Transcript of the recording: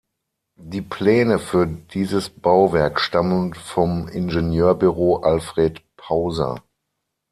Die Pläne für dieses Bauwerk stammen vom Ingenieurbüro Alfred Pauser.